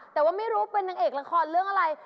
แต่ว่าไม่รู้เป็นนางเอกละครเรื่องอะไร